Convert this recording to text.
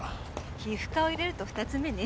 皮膚科を入れると２つ目ね。